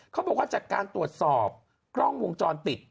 เขาบอกว่าจากการตรวจสอบกล้องวงจรปิด